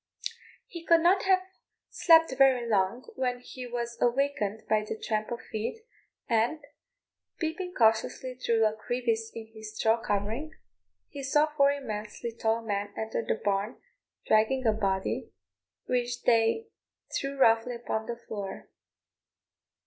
He could not have slept very long when he was awakened by the tramp of feet, and, peeping cautiously through a crevice in his straw covering, he saw four immensely tall men enter the barn, dragging a body, which they threw roughly upon the floor.